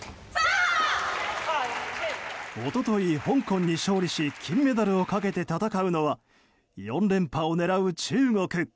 一昨日、香港に勝利し金メダルをかけて戦うのは４連覇を狙う、中国。